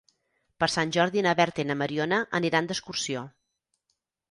Per Sant Jordi na Berta i na Mariona aniran d'excursió.